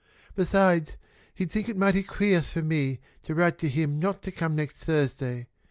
Besides, he'd think it mighty queah for me to write to him not to come next Thursday.